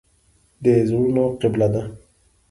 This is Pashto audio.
د زړونو قبله ده.